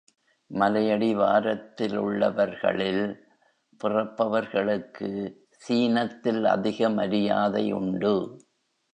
மலையடிவாரத்திலுள்ளவர்களில் பிறப்பவர்களுக்கு சீனத்தில் அதிக மரியாதையுண்டு.